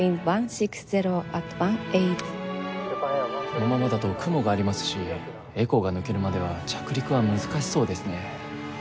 このままだと雲がありますしエコーが抜けるまでは着陸は難しそうですね。